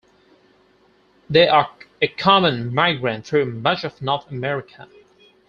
They are a common migrant through much of North America.